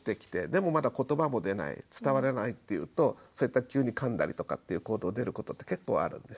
でもまだことばも出ない伝わらないっていうとそういった急にかんだりとかっていう行動出ることって結構あるんですね。